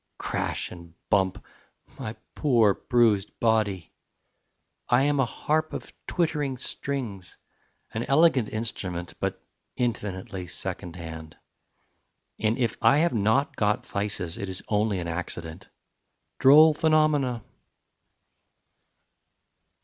Crash and bump ... my poor bruised body! I am a harp of twittering strings, An elegant instrument, but infinitely second hand, And if I have not got phthisis it is only an accident. Droll phenomena!